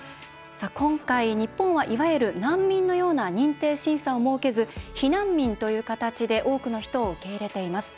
今回、日本はいわゆる難民のような認定審査を設けず避難民という形で多くの人を受け入れています。